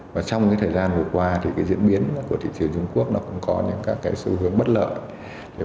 và trong thời gian vừa qua thì diễn biến của thị trường trung quốc cũng có những các sưu hướng bất lợi